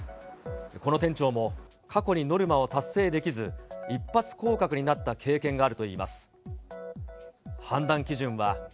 この店長も過去にノルマを達成できず、一発降格になった経験があるといいます。